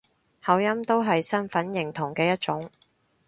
口音都係身份認同嘅一種